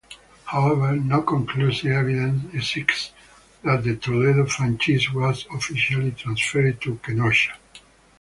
However no conclusive evidence exists that the Toledo franchise was officially transferred to Kenosha.